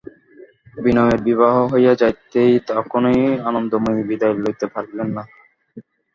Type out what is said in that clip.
বিনয়ের বিবাহ হইয়া যাইতেই তখনই আনন্দময়ী বিদায় লইতে পারিলেন না।